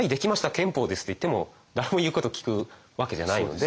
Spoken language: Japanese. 憲法です！」って言っても誰も言うこと聞くわけじゃないので。